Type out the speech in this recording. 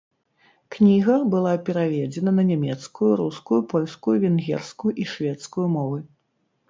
Кніга была пераведзена на нямецкую, рускую, польскую, венгерскую і шведскую мовы.